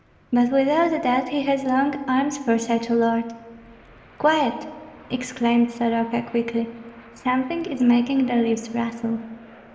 "But without that he has long arms for such a lord." "Quiet!" exclaimed Soroka, quickly; "something is making the leaves rustle."